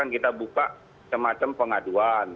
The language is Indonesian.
kita buka semacam pengaduan